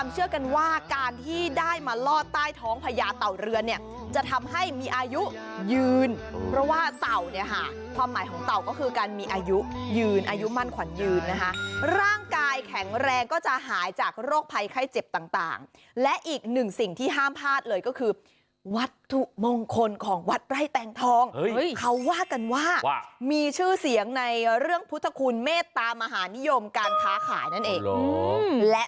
เชื่อกันว่าการที่ได้มารอดใต้ท้องพญาเต่าเรือนเนี่ยจะทำให้มีอายุยืนเพราะว่าเต่าเนี่ยฮะความหมายของเต่าก็คือการมีอายุยืนอายุมั่นขวัญยืนนะคะร่างกายแข็งแรงก็จะหายจากโรคภัยไข้เจ็บต่างต่างและอีกหนึ่งสิ่งที่ห้ามพลาดเลยก็คือวัดถุมงคลของวัดไร้แต่งทองเฮ้ยเฮ้ยเขาว่ากันว่า